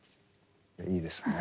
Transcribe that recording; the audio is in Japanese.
いいですね。